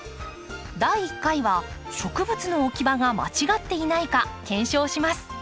第１回は植物の置き場が間違っていないか検証します。